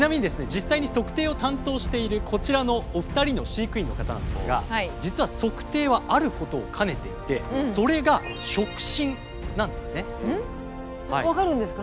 実際に測定を担当しているこちらのお二人の飼育員の方なんですが実は測定はあることを兼ねていてそれが分かるんですか？